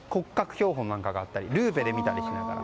標本があったりルーペで見たりしながら。